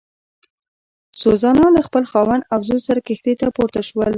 سوزانا له خپل خاوند او زوی سره کښتۍ ته پورته شول.